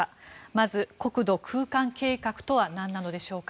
まず、国土空間計画とはなんなのでしょうか。